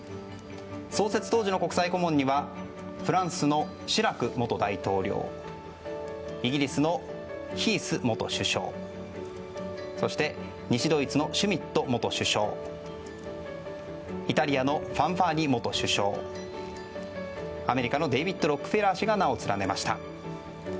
創設当時の国際顧問にはフランスのシラク元大統領イギリスのヒース元首相そして西ドイツのシュミット元首相イタリアのファンファーニ元首相アメリカのデイヴィッド・ロックフェラー氏が名を連ねました。